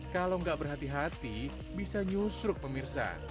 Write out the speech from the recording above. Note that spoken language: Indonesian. kalau nggak berhati hati bisa nyusruk pemirsa